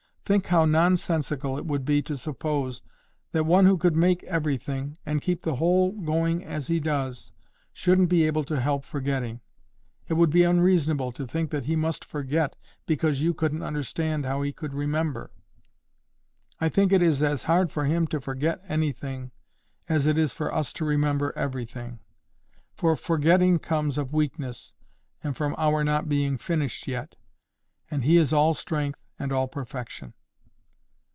Think how nonsensical it would be to suppose that one who could make everything, and keep the whole going as He does, shouldn't be able to help forgetting. It would be unreasonable to think that He must forget because you couldn't understand how He could remember. I think it is as hard for Him to forget anything as it is for us to remember everything; for forgetting comes of weakness, and from our not being finished yet, and He is all strength and all perfection."